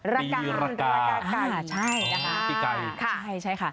ละกาละกาไก่ปีไก่ใช่ค่ะ